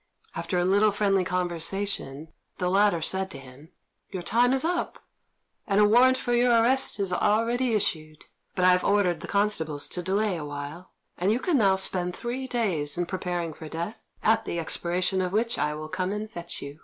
After a little friendly conversation, the latter said to him, "Your time is up, and the warrant for your arrest is already issued; but I have ordered the constables to delay awhile, and you can now spend three days in preparing for death, at the expiration of which I will come and fetch you.